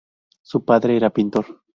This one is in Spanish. Su padre era pintor.